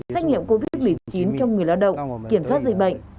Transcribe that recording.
xét nghiệm covid một mươi chín cho người lao động kiểm soát dịch bệnh